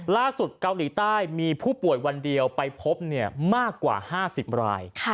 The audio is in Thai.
ล่าสุดเกาหลีใต้มีผู้ป่วยวันเดียวไปพบมากกว่า๕๐ราย